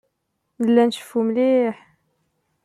Nella nceffu mliḥ.